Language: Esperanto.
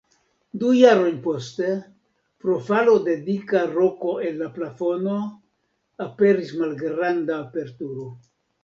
Du jarojn poste, pro falo de dika roko el la plafono, aperis malgranda aperturo.